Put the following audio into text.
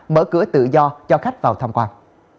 mở cửa tự do cho khách vào thăm quan